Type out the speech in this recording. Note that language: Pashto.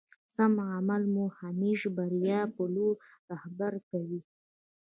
سم عمل مو همېش بريا په لوري رهبري کوي.